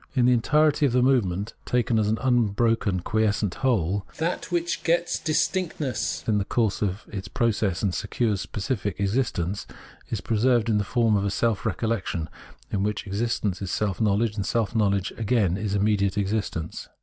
In the entirety of the movement, taken as an unbroken quiescent whole, that which gets distinctness in the course of its process and secures specific exist ence, is preserved in the form of a self recollection, in which existence is self knowledge, and self knowledge, again, is immediate existence.